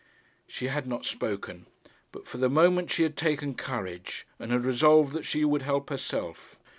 She had not spoken; but for the moment she had taken courage, and had resolved that she would help herself.